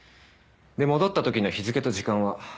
で戻ったときの日付と時間は？